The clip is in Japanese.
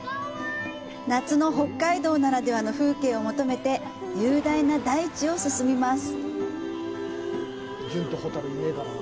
夏の北海道ならではの風景を求めて雄大な大地を進みます。